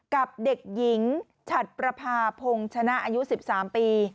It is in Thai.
กับเด็กหญิงฉัดประพาพงศ์ชนะอายุ๑๓ปี